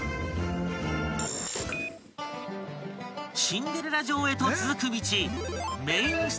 ［シンデレラ城へと続く道］